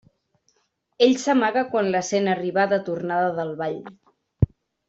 Ell s'amaga quan la sent arribar de tornada del ball.